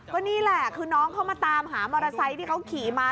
ก็นี่แหละคือน้องเขามาตามหามอเตอร์ไซค์ที่เขาขี่มา